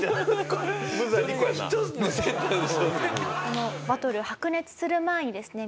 このバトル白熱する前にですね